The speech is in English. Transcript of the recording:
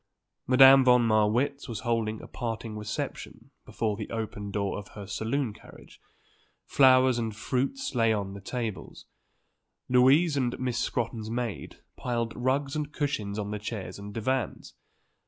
Madame von Marwitz was holding a parting reception before the open door of her saloon carriage. Flowers and fruits lay on the tables. Louise and Miss Scrotton's maid piled rugs and cushions on the chairs and divans.